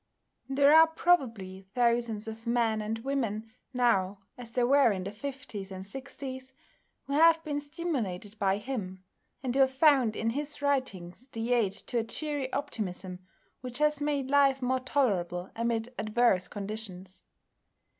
There are probably thousands of men and women now, as there were in the fifties and sixties, who have been stimulated by him, and who have found in his writings the aid to a cheery optimism which has made life more tolerable amid adverse conditions.